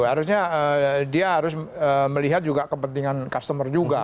harusnya dia harus melihat juga kepentingan customer juga